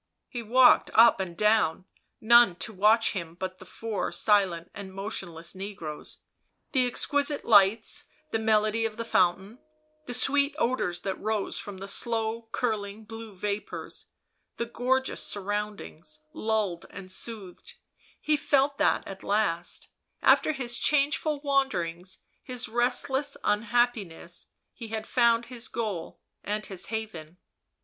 He walked up and down, none to watch him but the four silent and motionless negroes ; the exquisite lights, the melody of the fountain, the sweet odours that rose from the slow curling blue vapours, the gorgeous sur roundings, lulled and soothed ; he felt that at last, after his changeful wanderings, his restless unhappi ness, he had found his goal and his haven.